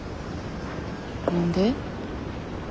何で？